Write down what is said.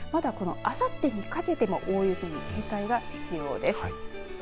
まだ、このあさってにかけても大雪に警戒が必要です。